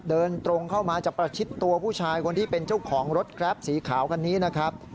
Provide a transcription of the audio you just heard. เดินตรงเข้ามาจะประชิดตัวผู้ชายคนที่เป็นเจ้าของรถแกรปสีขาวคันนี้นะครับ